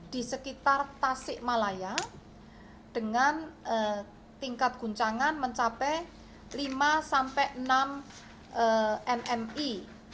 di sekitar tasik malaya dengan tingkat guncangan mencapai lima sampai enam mmi